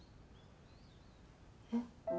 えっ？